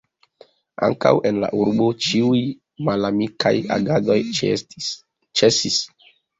Ankaŭ en la urbo, ĉiuj malamikaj agadoj ĉesis.